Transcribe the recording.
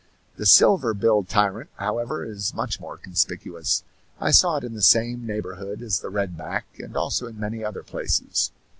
The silver bill tyrant, however, is much more conspicuous; I saw it in the same neighborhood as the red back and also in many other places.